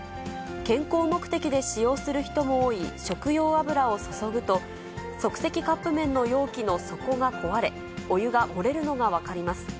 健康目的で使用する人も多い食用油を注ぐと、即席カップ麺の容器の底が壊れ、お湯が漏れるのが分かります。